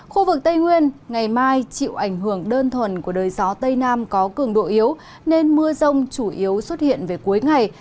khu vực tây nguyên ngày mai chịu ảnh hưởng đơn thuần của đời gió tây nam có cường độ yếu nên mưa rông chủ yếu xuất hiện về cuối ngày